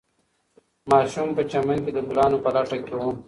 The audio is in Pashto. ماشوم په چمن کې د ګلانو په لټه کې و.